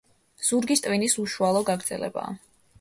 ზურგის ტვინის უშუალო გაგრძელებაა.